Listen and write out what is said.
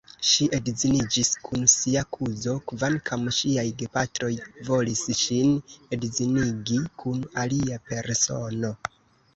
Ŝi edziniĝis kun sia kuzo, kvankam ŝiaj gepatroj volis ŝin edzinigi kun alia persono.